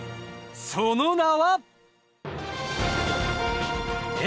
その名は。